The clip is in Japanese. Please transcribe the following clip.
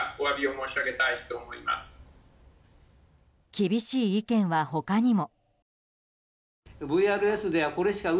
厳しい意見は他にも。